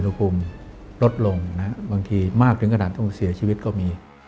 รับประทานอาหารให้ครบ๕หมู่